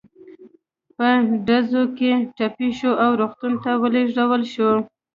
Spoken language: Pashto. په ډزو کې ټپي شو او روغتون ته ولېږدول شو.